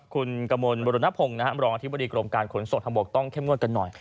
ขอบคุณกมลบรณพงษ์นะฮะมรองอธิบดีกรมการขนสดฮะบอกต้องเข้มงวดกันหน่อย